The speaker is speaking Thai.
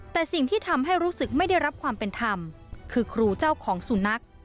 แต่สิ่งที่ทำให้รู้สึกไม่ได้รับความเป็นธรรมคือครูเจ้าของสุนัข